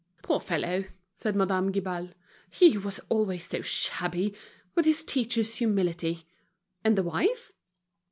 "Poor fellow!" said Madame Guibal, "he who was always so shabby, with his teacher's humility! And the wife?"